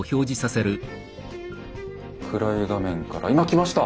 暗い画面から今きました！